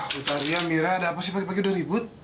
butaria amira ada apa sih pagi pagi udah ribut